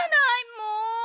もう！